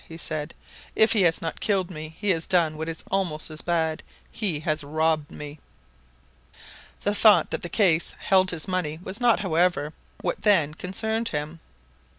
he said. "If he has not killed me, he has done what is almost as bad. He has robbed me!" The thought that the case held his money was not however, what then concerned him.